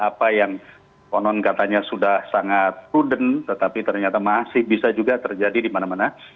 apa yang konon katanya sudah sangat prudent tetapi ternyata masih bisa juga terjadi di mana mana